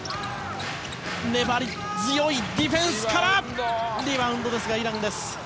粘り強いディフェンスからリバウンドですが、イランです。